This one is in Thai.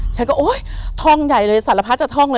ฉันก็โอ๊ยท่องใหญ่เลยสารพัดจากท่องเลย